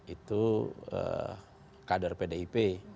itu kader pdip